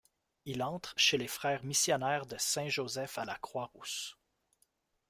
Il entre chez les frères missionnaires de Saint-Joseph à la Croix-Rousse.